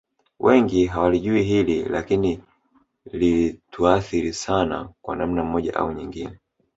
Wengi hawalijui hili lakini lilituathiri sana kwa namna moja au nyingine